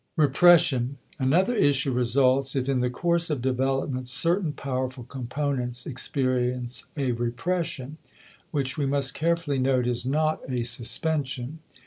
*Repression.* Another issue results if in the course of development certain powerful components experience a repression which we must carefully note is not a suspension.